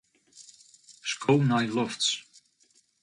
Sko nei lofts.